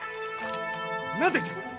なぜじゃ！？